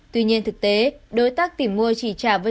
tuy nhiên thực tế đối tác tìm mua chỉ trả một tỷ usd